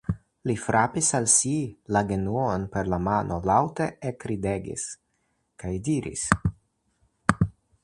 Li frapis al si la genuon per la mano, laŭte ekridegis kaj diris.